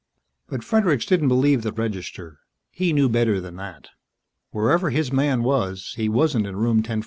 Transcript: But Fredericks didn't believe the register. He knew better than that. Wherever his man was, he wasn't in Room 1014.